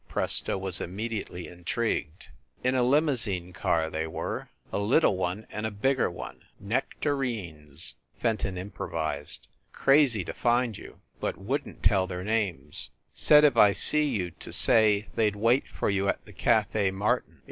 Presto was immediately intrigued. "In a limousine car, they were. A little one and THE CAXTON DINING ROOM 161 a bigger one. Nectarines!" Fenton improvised. "Crazy to find you. But wouldn t tell their names. Said if I see you to say they d wait for you at the Cafe Martin.